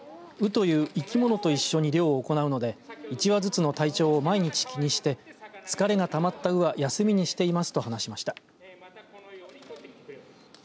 この中で杉山さんは鵜という生き物と一緒に漁を行うので１羽ずつの体調を毎日気にして疲れがたまった鵜は休みにしていますと話しました。